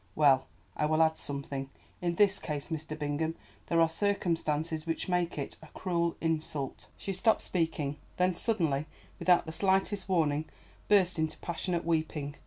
Well, I will add something. In this case, Mr. Bingham, there are circumstances which make it—a cruel insult!" She stopped speaking, then suddenly, without the slightest warning, burst into passionate weeping.